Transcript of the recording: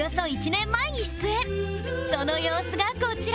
その様子がこちら